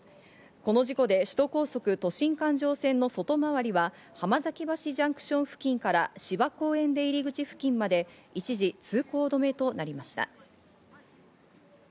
この事故で首都高速都心環状線の外回りは、浜崎橋ジャンクション付近から芝公園出入口付近まで一時通行止めとなりました。